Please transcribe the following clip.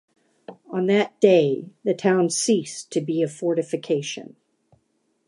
On that day, the town ceased to be a fortification.